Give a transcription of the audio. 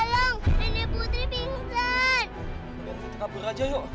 jangan putri kabur aja yuk